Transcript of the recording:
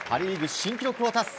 新記録を達成。